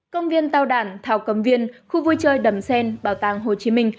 công viên tàu đản thảo cầm viên khu vui chơi đầm xen bảo tàng hồ chí minh